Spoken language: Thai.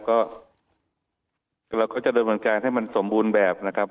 ก็เราก็จะดำเนินการให้มันสมบูรณ์แบบนะครับ